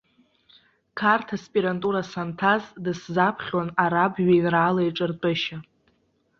Қарҭ аспирантура санҭаз дысзаԥхьон араб жәеинраалеиҿартәышьа.